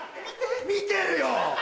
見てるよ！